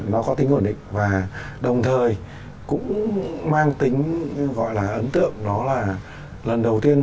nó có tính ổn định và đồng thời cũng mang tính gọi là ấn tượng đó là lần đầu tiên